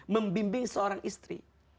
membimbing seorang istri